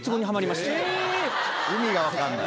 意味が分かんない。